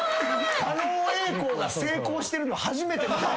狩野英孝が成功してるの初めて見たわ。